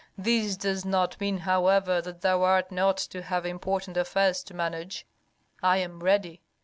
This does not mean, however, that thou art not to have important affairs to manage." "I am ready."